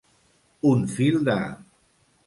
Un fil de.